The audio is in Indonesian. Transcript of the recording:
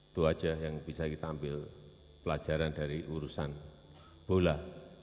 itu aja yang bisa kita ambil pelajaran dari urusan bola